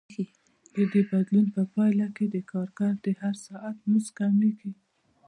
د دې بدلون په پایله کې د کارګر د هر ساعت مزد کمېږي